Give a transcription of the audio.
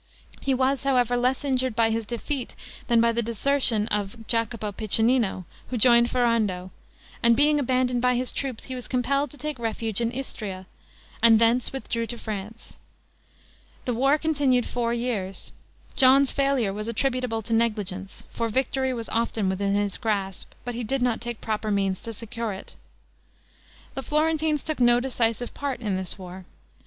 He was, however, less injured by his defeat than by the desertion of Jacopo Piccinino, who joined Ferrando; and, being abandoned by his troops, he was compelled to take refuge in Istria, and thence withdrew to France. This war continued four years. John's failure was attributable to negligence; for victory was often within his grasp, but he did not take proper means to secure it. The Florentines took no decisive part in this war.